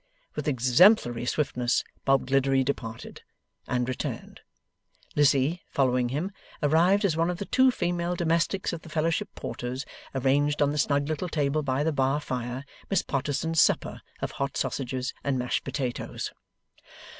With exemplary swiftness Bob Gliddery departed, and returned. Lizzie, following him, arrived as one of the two female domestics of the Fellowship Porters arranged on the snug little table by the bar fire, Miss Potterson's supper of hot sausages and mashed potatoes.